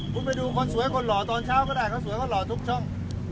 คุณไปดูคนสวยคนหล่อตอนเช้าก็ได้เขาสวยเขาหล่อทุกช่อง